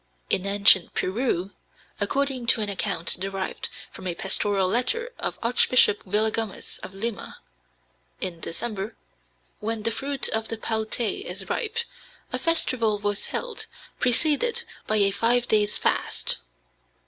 In ancient Peru (according to an account derived from a pastoral letter of Archbishop Villagomez of Lima), in December, when the fruit of the paltay is ripe, a festival was held, preceded by a five days' fast.